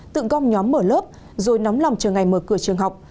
tự gom nhóm mở lớp rồi nóng lòng chờ ngày mở cửa trường học